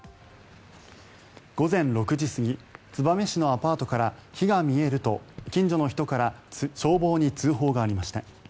午前６時過ぎ燕市のアパートから火が見えると、近所の人から消防に通報がありました。